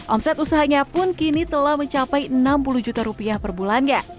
omset usahanya pun kini telah mencapai enam puluh juta rupiah per bulannya